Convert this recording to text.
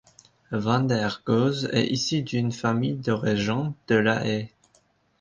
Van der Goes est issu d'une famille de régents de La Haye.